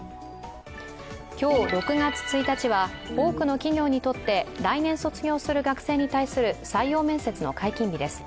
今日６月１日は多くの企業にとって来年卒業する学生に対する採用面接の解禁日です。